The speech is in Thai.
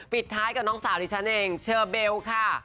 ปิดท้ายกับน้องสาวดิฉันเองเชอเบลค่ะ